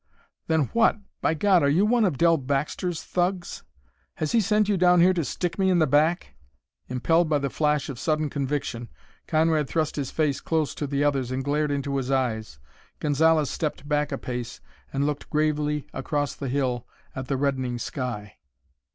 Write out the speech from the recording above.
"Then what by God, are you one of Dell Baxter's thugs? Has he sent you down here to stick me in the back?" Impelled by the flash of sudden conviction, Conrad thrust his face close to the other's and glared into his eyes. Gonzalez stepped back a pace and looked gravely across the hill at the reddening sky.